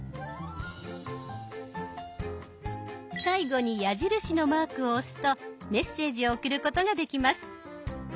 最後に矢印のマークを押すとメッセージを送ることができます。